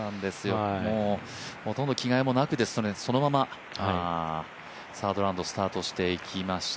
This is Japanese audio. もうほとんど着替えもなくそのままサードラウンドをスタートしていきました。